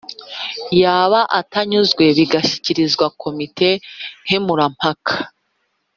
yaba atanyuzwe bigashyikirizwa komite Nkemurampaka.